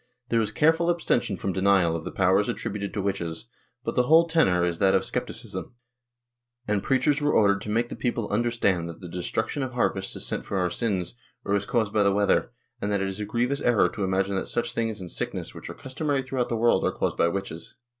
There is careful abstention from denial of the powers attributed to witches, but the whole tenor is that of scepticism, and preachers were ordered to make the people imderstand that the destruction of harvests is sent for our sins, or is caused by the weather, and that it is a grievous error to imagine that such things and sickness, which are customary throughout the world, are caused by witches.